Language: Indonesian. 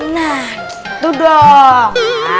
nah gitu dong